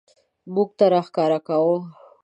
موږ ته راښکاره کاوه.